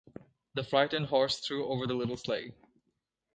The frightened horse threw over the little sleigh.